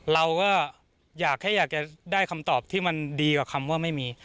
เราก็อยากให้ได้คำตอบที่มันดีกว่าคำว่าไม่มี